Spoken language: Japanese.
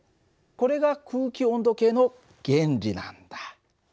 これが空気温度計の原理なんだ。